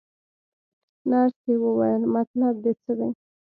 نرسې وویل: مطلب دې څه دی؟